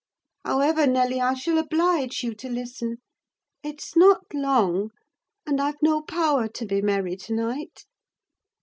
However, Nelly, I shall oblige you to listen: it's not long; and I've no power to be merry to night."